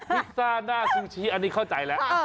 พิซซ่าหน้าซูชิอันนี้เข้าใจแล้ว